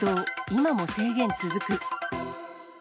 今も制限続く。